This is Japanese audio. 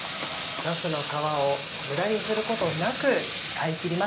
なすの皮を無駄にすることなく使い切りました。